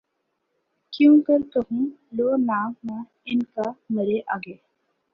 کیوں کر کہوں لو نام نہ ان کا مرے آگے